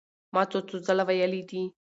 ما څو څو ځله وئيلي دي